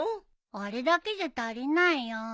あれだけじゃ足りないよ。